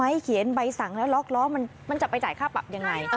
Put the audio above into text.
เขียนใบสั่งแล้วล็อกล้อมันจะไปจ่ายค่าปรับยังไง